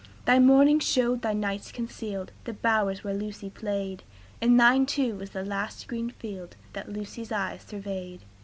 Thy mornings showed, thy nights concealed, The bowers where Lucy played; And thine, too, is the last green field That Lucy's eyes surveyed."